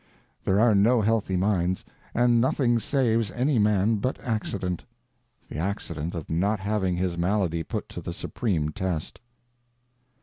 There are no healthy minds, and nothing saves any man but accident—the accident of not having his malady put to the supreme test.